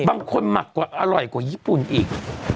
หมักกว่าอร่อยกว่าญี่ปุ่นอีก